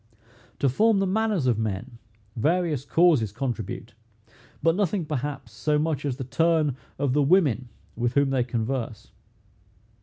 To form the manners of men, various causes contribute; but nothing, perhaps, so much as the turn of the women with whom they converse.